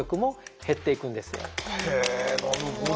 へえなるほど。